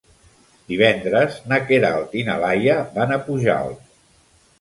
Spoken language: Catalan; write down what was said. Divendres na Queralt i na Laia van a Pujalt.